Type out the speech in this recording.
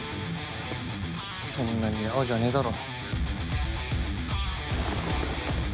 そんなにやわじゃねえだろ。